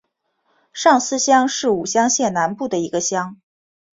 上司乡是武乡县南部的一个乡。